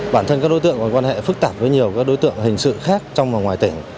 bản thân các đối tượng còn quan hệ phức tạp với nhiều đối tượng hình sự khác trong và ngoài tỉnh